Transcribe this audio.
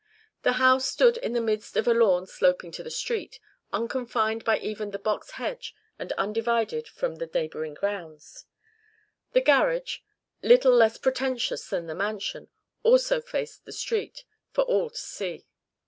The house stood in the midst of a lawn sloping to the street, unconfined by even the box hedge and undivided from the neighbouring grounds. The garage, little less pretentious than the mansion, also faced the street, for all to see.